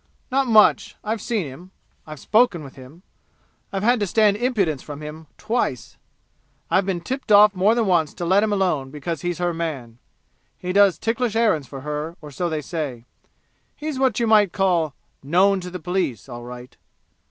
"Not much. I've seen him. I've spoken with him, and I've had to stand impudence from him twice. I've been tipped off more than once to let him alone because he's her man. He does ticklish errands for her, or so they say. He's what you might call 'known to the police' all right."